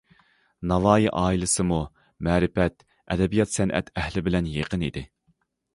ناۋايى ئائىلىسىمۇ مەرىپەت، ئەدەبىيات- سەنئەت ئەھلى بىلەن يېقىن ئىدى.